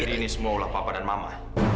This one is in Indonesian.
jadi ini semua olah papa dan mama